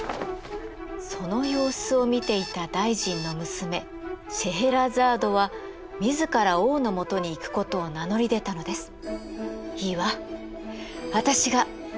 その様子を見ていた大臣の娘シェエラザードは自ら王のもとに行くことを名乗り出たのです。